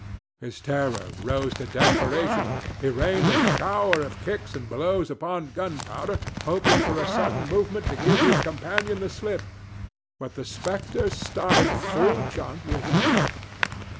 His terror rose to desperation; he rained a shower of kicks and blows upon Gunpowder, hoping by a sudden movement to give his companion the slip; but the spectre started full jump with him.